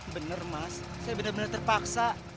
bener mas saya bener bener terpaksa